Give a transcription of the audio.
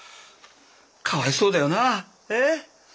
かわいそうだよなぁえ！